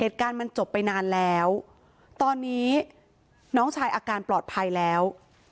เหตุการณ์มันจบไปนานแล้วตอนนี้น้องชายอาการปลอดภัยแล้ว